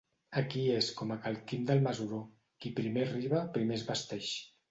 Aquí és com a cal Quim del Mesuró: qui primer arriba, primer es vesteix.